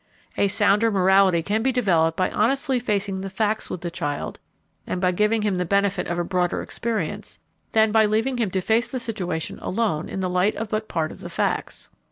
A sounder morality can be developed by honestly facing the facts with the child and by giving him the benefit of a broader experience, than by leaving him to face the situation alone in the light of but part of the facts.